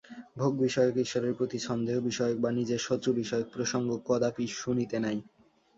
ভোগ-বিষয়ক, ঈশ্বরের প্রতি সন্দেহ-বিষয়ক, বা নিজের শত্রু-বিষয়ক প্রসঙ্গ কদাপি শুনিতে নাই।